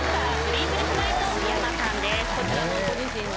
こちらもご自身が。